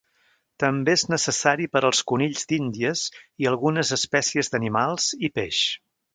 També és necessari per als conills d'Índies i algunes espècies d'animals i peix.